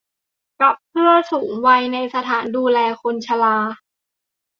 กับเพื่อสูงวัยในสถานดูแลคนชรา